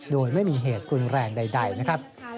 โดยไม่มีเหตุรุนแรงใดนะครับ